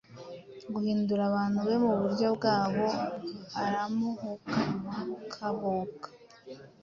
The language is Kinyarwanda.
guhindura abantu be muburyo bwabo, aramuhukahuka.